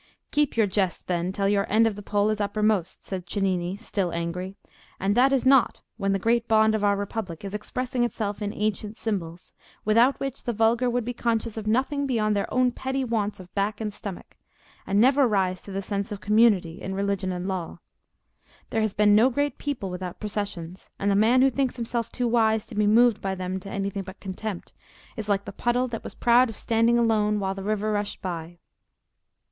"Keep your jest then till your end of the pole is uppermost," said Cennini, still angry, "and that is not when the great bond of our Republic is expressing itself in ancient symbols, without which the vulgar would be conscious of nothing beyond their own petty wants of back and stomach, and never rise to the sense of community in religion and law. There has been no great people without processions, and the man who thinks himself too wise to be moved by them to anything but contempt, is like the puddle that was proud of standing alone while the river rushed by."